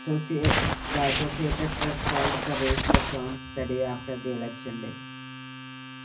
The Associated Press called the race for Jones the day after election day.